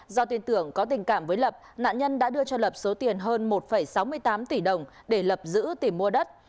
do tin tưởng có tình cảm với lập nạn nhân đã đưa cho lập số tiền hơn một sáu mươi tám tỷ đồng để lập giữ tìm mua đất